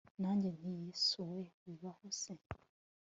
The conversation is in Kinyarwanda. nange nti yesuwe bibaho se